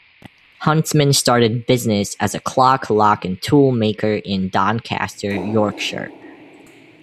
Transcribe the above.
Huntsman started business as a clock, lock and tool maker in Doncaster, Yorkshire.